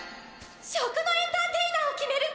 食のエンターテイナーを決める